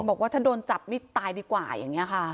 บอกว่าถ้าโดนจับนี่ตายดีกว่าอย่างนี้ค่ะ